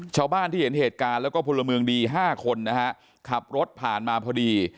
ชาวบ้านที่เห็นเหตุการณ์แล้วก็พลเมืองดีห้าคนนะฮะขับรถผ่านมาพอดี